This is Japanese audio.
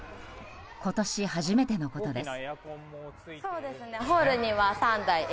今年初めてのことです。